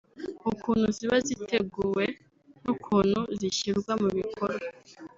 ukuntu ziba ziteguwe n’ukuntu zishyirwa mu bikorwa